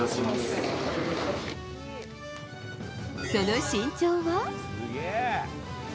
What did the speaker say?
その身長は。